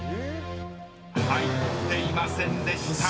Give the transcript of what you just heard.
［入っていませんでした］